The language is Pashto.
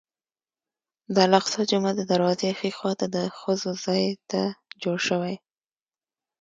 د الاقصی جومات د دروازې ښي خوا ته ښځو ته ځای جوړ شوی.